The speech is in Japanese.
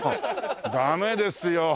ダメですよ。